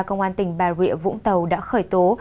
công an tỉnh bà rịa vũng tàu đã khởi tố